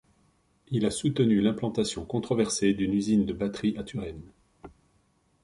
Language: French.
Il a soutenu l'implantation controversée d'une usine de batteries à Turenne.